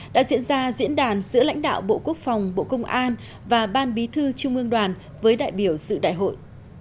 đã diễn ra diễn đàn giữa lãnh đạo bộ quốc phòng bộ công an và ban bí thư trung ương đoàn với đại biểu dự đại hội